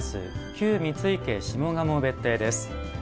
旧三井家下鴨別邸です。